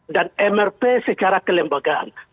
dan mrp secara kelembagaan